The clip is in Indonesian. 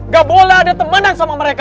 gak boleh ada temanan sama mereka